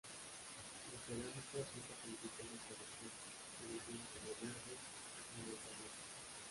La cerámica cuenta con tipos de producción conocida como verde y manganeso.